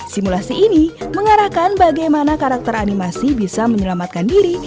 simulasi ini mengarahkan bagaimana karakter animasi bisa menyelamatkan diri